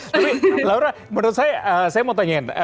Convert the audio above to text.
tapi laura menurut saya saya mau tanyain